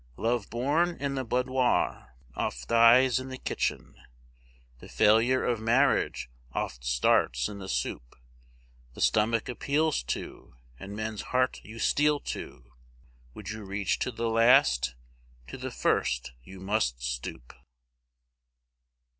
Love born in the boudoir oft dies in the kitchen, The failure of marriage oft starts in the soup. The stomach appeal to, and men's heart you steal to Would you reach to the last? To the first you must stoop.